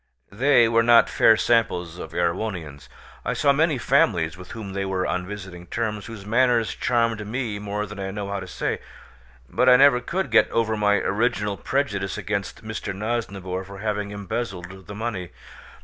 They were not fair samples of Erewhonians. I saw many families with whom they were on visiting terms, whose manners charmed me more than I know how to say, but I never could get over my original prejudice against Mr. Nosnibor for having embezzled the money.